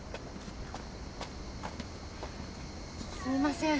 すみません。